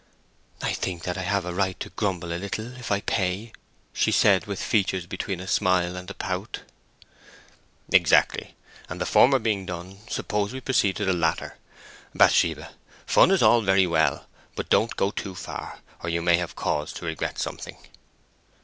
"I think that I have a right to grumble a little if I pay," she said, with features between a smile and a pout. "Exactly; and, the former being done, suppose we proceed to the latter. Bathsheba, fun is all very well, but don't go too far, or you may have cause to regret something."